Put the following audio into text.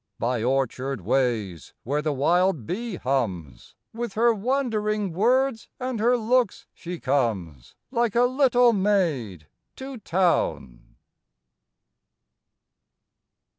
By orchard ways, where the wild bee hums, With her wondering words and her looks she comes, Like a little maid to town.